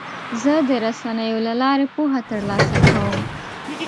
زه د رسنیو له لارې پوهه ترلاسه کوم.